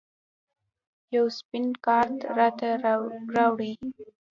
یو سپین کارت راته راوړئ